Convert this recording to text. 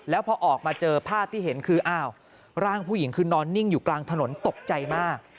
แล้วพอออกมาเจอภาพที่เห็นคืออ้าวร่างผู้หญิงคือนอนนิ่งอยู่กลางถนนตกใจมาก